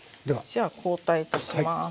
じゃあ交代いたします。